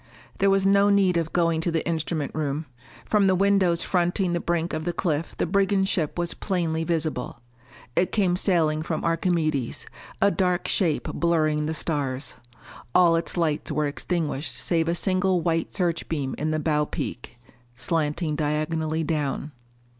There was no need of going to the instrument room. From the windows fronting the brink of the cliff the brigand ship was plainly visible. It came sailing from Archimedes, a dark shape blurring the stars. All its lights were extinguished save a single white search beam in the bow peak, slanting diagonally down.